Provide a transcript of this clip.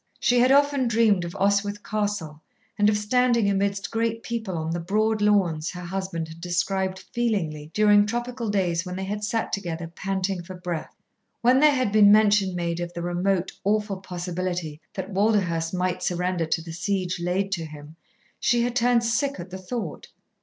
She had often dreamed of Oswyth Castle and of standing amidst great people on the broad lawns her husband had described feelingly during tropical days when they had sat together panting for breath. When there had been mention made of the remote, awful possibility that Walderhurst might surrender to the siege laid to him, she had turned sick at the thought.